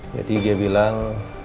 jadi dia bilang